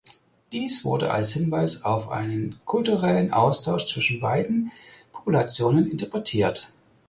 Dies wurde als Hinweis auf einen kulturellen Austausch zwischen beiden Populationen interpretiert.